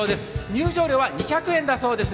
入場料は２００円だそうです。